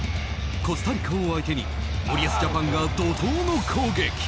コスタリカを相手に森保ジャパンが怒涛の攻撃。